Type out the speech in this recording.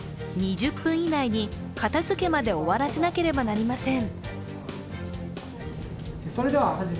２０分以内に片づけまで終わらせなければなりません。